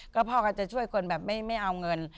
ก็พ่อก็จะช่วยคนแบบไม่เอาเงิน